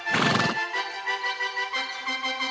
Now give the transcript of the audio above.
brevis kemudian melompat ke punggung kudanya